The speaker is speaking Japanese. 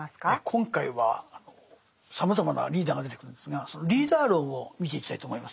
今回はさまざまなリーダーが出てくるんですがそのリーダー論を見ていきたいと思います。